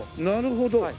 なるほど。